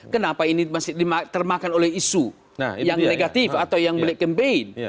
kenapa ini masih termakan oleh isu yang negatif atau yang black campaign